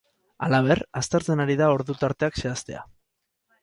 Halaber, aztertzen ari da ordu-tarteak zehaztea.